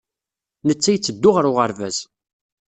Netta yetteddu ɣer uɣerbaz.